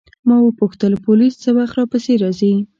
ما وپوښتل پولیس څه وخت راپسې راځي.